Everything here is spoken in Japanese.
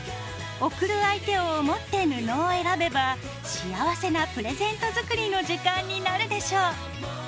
贈る相手を思って布を選べば幸せなプレゼント作りの時間になるでしょう。